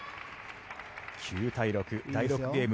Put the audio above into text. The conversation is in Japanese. ９対６、第６ゲーム